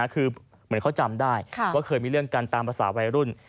คือเหมือนเขาจำได้ว่าเคยมีเรื่องกันตามภาษาวัยรุ่น